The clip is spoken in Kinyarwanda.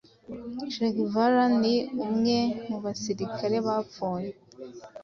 che guevara ni umwe mu basirikare bapfuye